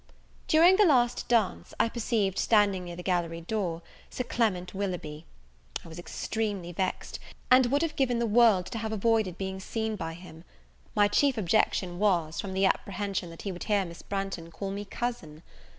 During the last dance, I perceived standing near the gallery door, Sir Clement Willoughby. I was extremely vexed, and would have given the world to have avoided being seen by him: my chief objection was, from the apprehension that he would hear Miss Branghton call me cousin.